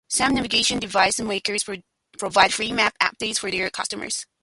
Some navigation device makers provide free map updates for their customers.